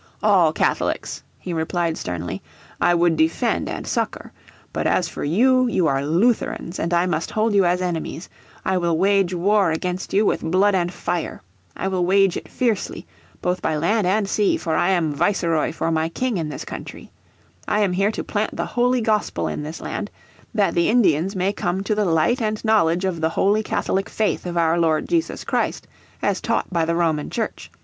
"All Catholics," he replied sternly, "I would defend and succour. But as for you, you are Lutherans, and I must hold you as enemies. I will wage war against you with blood and fire. I will wage it fiercely, both by land and sea, for I am Viceroy for my King in this country. I am here to plant the holy Gospel in this land , that the Indians may come to the light and knowledge of the Holy Catholic, faith of our Lord Jesus Christ, as taught by the Roman Church.